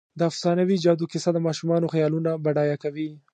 د افسانوي جادو کیسه د ماشومانو خیالونه بډایه کوي.